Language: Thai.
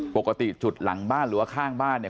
ปกติจุดหลังบ้านหรือว่าข้างบ้านเนี่ย